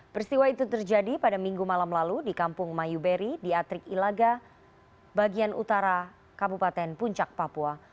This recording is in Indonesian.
peristiwa itu terjadi pada minggu malam lalu di kampung mayuberi di atrik ilaga bagian utara kabupaten puncak papua